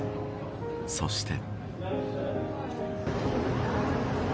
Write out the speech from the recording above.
そして。